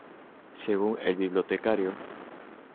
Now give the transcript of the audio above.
Según "El Bibliotecario.